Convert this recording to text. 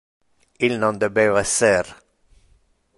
Il non debeva esser.